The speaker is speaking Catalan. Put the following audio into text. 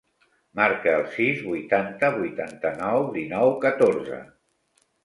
Marca el sis, vuitanta, vuitanta-nou, dinou, catorze.